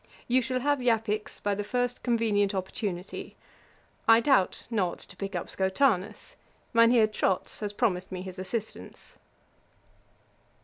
You shall have Japix by the first convenient opportunity. I doubt not to pick up Schotanus. Mynheer Trotz has promised me his assistance.'